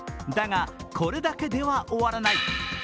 だが、これだけでは終わらない。